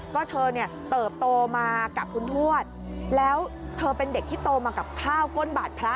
ก็เธอเนี่ยเติบโตมากับคุณทวดแล้วเธอเป็นเด็กที่โตมากับข้าวก้นบาทพระ